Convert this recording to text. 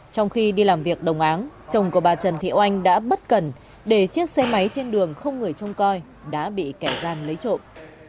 trong khi đi làm việc đồng áng chồng của bà trần thị oanh đã bất cần để chiếc xe máy trên đường không người trông coi đã bị kẻ gian lấy trộm